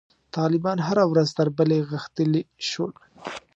طالبان هره ورځ تر بلې غښتلي شول.